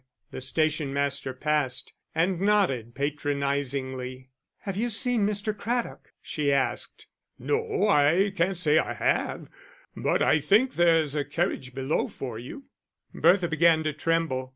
The station master passed, and nodded patronisingly. "Have you seen Mr. Craddock?" she asked. "No, I can't say I have. But I think there's a carriage below for you." Bertha began to tremble.